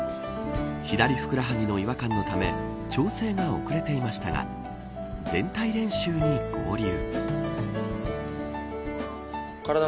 左ふくらはぎの違和感のため調整が遅れていましたが全体練習に合流。